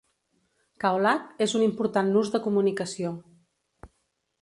Kaolack és un important nus de comunicació.